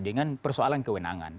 dengan persoalan kewenangan